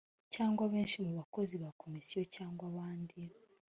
cyangwa benshi mu bakozi ba komisiyo cyangwa abandi